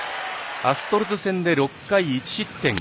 アストロズ戦で６回１失点１２